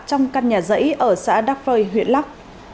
trong căn nhà giấy ở xã đắk phơi huyện lắk